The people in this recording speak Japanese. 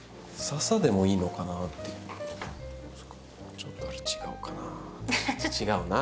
ちょっと違うなぁ。